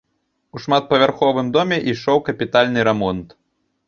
У шматпавярховым доме ішоў капітальны рамонт.